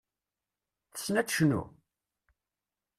Tessen ad tecnu?